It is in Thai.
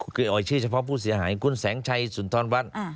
กูที่เอ่ยชื่อเฉพาะผู้เสียหายคุณแสงชัยสุณธรรมบัตร